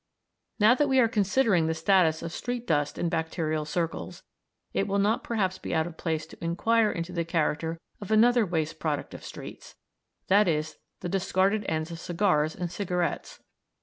Now that we are considering the status of street dust in bacterial circles, it will not perhaps be out of place to inquire into the character of another waste product of streets, i.e. the discarded ends of cigars and cigarettes.